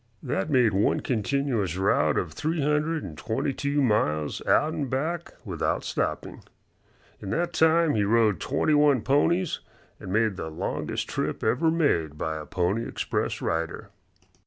That made one continuous route of three hundred and twenty two miles out and back without stopping. In that time he rode twenty one ponies and made the longest trip ever made by a Pony Express rider.